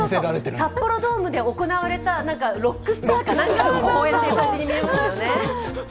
札幌ドームで行われたロックスターか何かの公演に見えますよね。